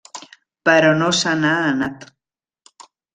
Però no se n'ha anat.